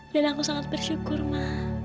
dan aku sangat bersyukur ma